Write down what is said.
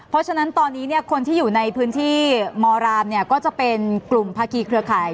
เพราะฉะนั้นตอนนี้คนที่อยู่ในพื้นที่มรามก็จะเป็นกลุ่มภาคีเครือข่าย